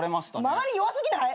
周り弱過ぎない？